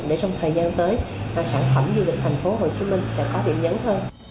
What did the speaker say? để trong thời gian tới sản phẩm du lịch thành phố hồ chí minh sẽ có điểm nhấn hơn